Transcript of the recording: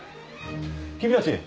君たち。